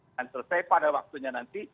akan selesai pada waktunya nanti